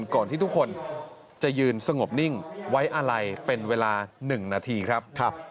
ก่อนที่ทุกคนจะยืนสงบนิ่งไว้อาลัยเป็นเวลา๑นาทีครับ